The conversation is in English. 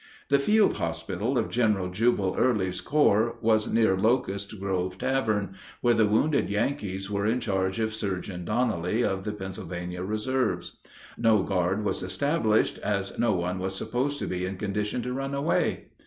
The field hospital of General Jubal Early's corps was near Locust Grove Tavern, where the wounded Yankees were in charge of Surgeon Donnelly of the Pennsylvania Reserves. No guard was established, as no one was supposed to be in condition to run away.